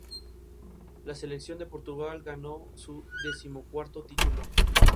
Viena y Berlín fueron las primeras ciudades donde comenzó a rodar.